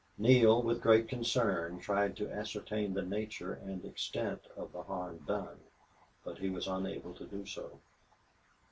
Neale, with great concern, tried to ascertain the nature and extent of the harm done, but he was unable to do so.